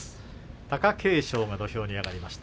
貴景勝が土俵に上がりました。